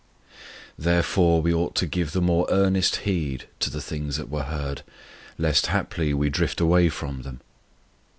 5 _"Therefore we ought to give the more earnest heed to the things that were heard, lest haply we drift away from them."